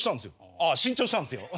ああ新調したんですよ。